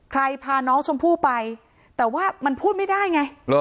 พาน้องชมพู่ไปแต่ว่ามันพูดไม่ได้ไง